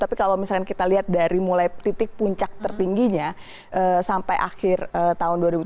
tapi kalau misalnya kita lihat dari mulai titik puncak tertingginya sampai akhir tahun dua ribu tujuh belas